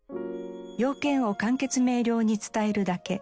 用件を簡潔明瞭に伝えるだけ。